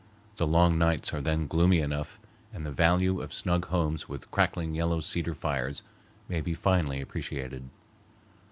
The long nights are then gloomy enough and the value of snug homes with crackling yellow cedar fires may be finely appreciated.